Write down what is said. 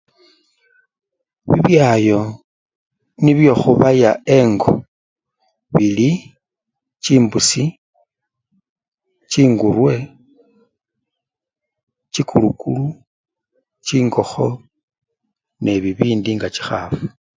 Bibyayo nibyo khubaya engo bili chimbusi, chingurwe, chikulukulu, chingokho ne bibindi nga chikhafu